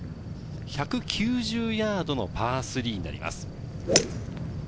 １９０ヤードのパー３になります。